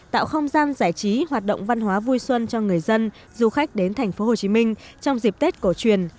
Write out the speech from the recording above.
tạo không gian giải trí hoạt động văn hóa vui xuân cho người dân du khách đến tp hcm trong dịp tết cổ truyền